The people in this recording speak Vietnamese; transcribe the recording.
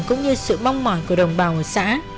cũng như sự mong mỏi của đồng bào ở xã